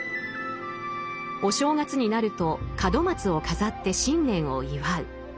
お正月になると門松を飾って新年を祝う。